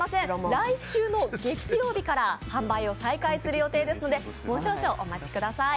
来週の月曜日から販売を再開する予定ですので、もう少々、お待ちください。